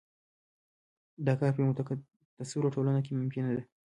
دا کار په یوه متکثره ټولنه کې ممکنه ده.